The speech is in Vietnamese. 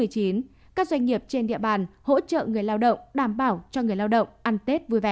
các doanh nghiệp trên địa bàn hỗ trợ người lao động đảm bảo cho người lao động ăn tết vui vẻ